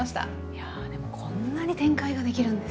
いやでもこんなに展開ができるんですね。